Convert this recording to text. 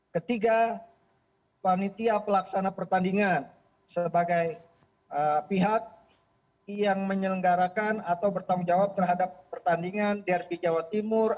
ketiga panitia pelaksana pertandingan sebagai pihak yang menyelenggarakan atau bertanggung jawab terhadap pertandingan drp jawa timur